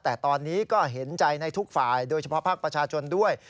แต่ตอนนี้ก็เห็นใจในทุกฝ่ายโดยเฉพาะภาคประชาชนด้วย